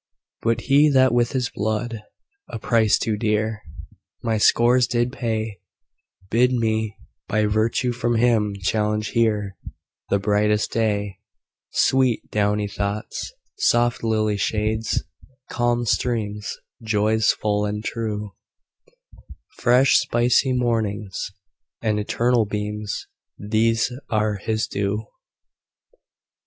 But He that with His blood—a price too dear— My scores did pay, Bid me, by virtue from Him, challenge here The brightest day ; Sweet, downy thoughts, soft lily shades, calm streams, Joys full, and true, Fresh, spicy mornings, and eternal beams,— These are His due.